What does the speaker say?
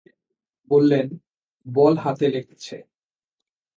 বললেন, বল হাতে লেগেছে।